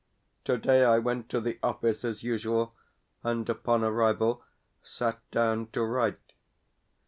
Today I went to the office as usual, and, upon arrival, sat down to write.